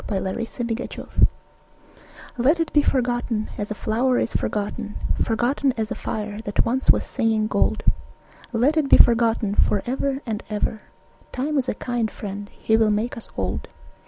"Let It Be Forgotten" Let it be forgotten, as a flower is forgotten, Forgotten as a fire that once was singing gold, Let it be forgotten for ever and ever, Time is a kind friend, he will make us old.